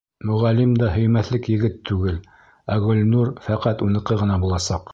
Мөғәллим дә һөймәҫлек егет түгел, ә Гөлнур фәҡәт уныҡы ғына буласаҡ.